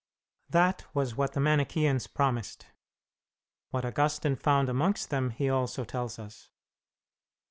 That was what the Manicheans promised. What Augustine found amongst them he also tells us.